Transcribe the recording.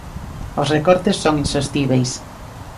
Os recortes son insostíbeis.